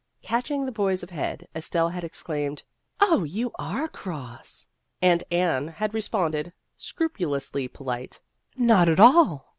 Catch ing the poise of head, Estelle had ex claimed, " Oh, you are cross !" and Anne had responded, scrupulously polite, " Not at all."